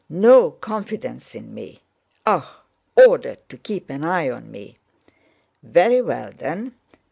No confidence in me! Ah, ordered to keep an eye on me! Very well then!